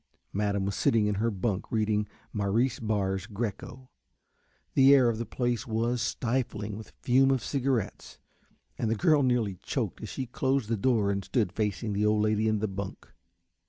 Madame was sitting up in her bunk reading Maurice Barres' "Greco." The air of the place was stifling with the fume of cigarettes, and the girl nearly choked as she closed the door and stood facing the old lady in the bunk.